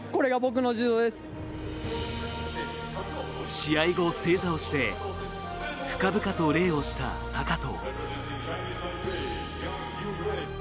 試合後、正座をして深々と礼をした高藤。